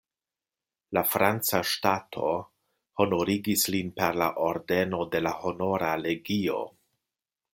La franca ŝtato honorigis lin per la ordeno de la Honora Legio.